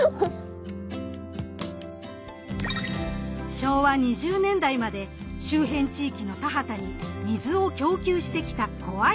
昭和２０年代まで周辺地域の田畑に水を供給してきた小合溜。